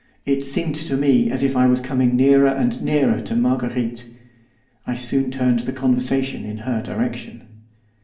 It seemed to me as if I was coming nearer and nearer to Marguerite. I soon turned the conversation in her direction.